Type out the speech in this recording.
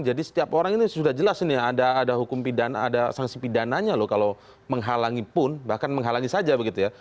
jadi setiap orang ini sudah jelas ini ada hukum pidananya ada sanksi pidananya loh kalau menghalangi pun bahkan menghalangi saja begitu ya